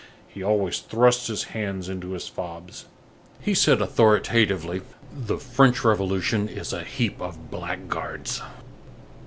He always thrust his hands into his fobs. He said authoritatively: "The French Revolution is a heap of blackguards."